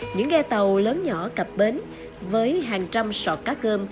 những ghe tàu lớn nhỏ cập bến với hàng trăm sọt cá cơm